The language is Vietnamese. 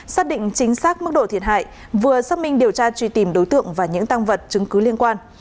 xác định chính xác mức độ thiệt hại vừa xác minh điều tra truy tìm đối tượng và những tăng vật chứng cứ liên quan